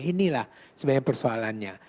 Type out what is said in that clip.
inilah sebenarnya persoalannya